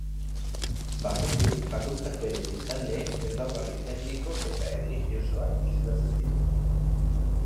Barruti bakoitzak bere biztanleen ezaugarri etniko eta erlijiosoak islatzen zituen.